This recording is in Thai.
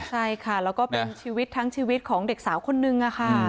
ใช่ค่ะแล้วก็เป็นชีวิตทั้งชีวิตของเด็กสาวคนนึงค่ะ